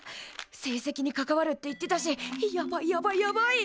成績に関わるって言ってたしやばいやばいやばい。